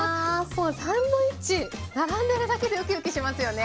もうサンドイッチ並んでるだけでウキウキしますよね。